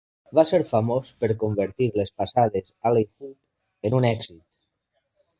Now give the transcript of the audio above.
Va ser famós per convertir les passades "alley oop" en un èxit.